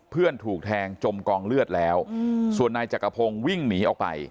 ถูกแทงจมกองเลือดแล้วส่วนนายจักรพงศ์วิ่งหนีออกไป